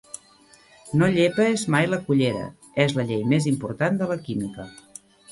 'No llepes mai la cullera' és la llei més important de la química.